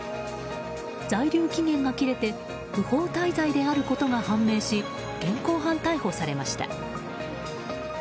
在留期限が切れて不法滞在であることが判明し現行犯逮捕されました。